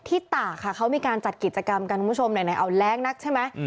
ที่ต่าค่ะเขามีการจัดกิจกรรมคุณผู้ชมหน่อยเอาแร้งนักใช่ไหม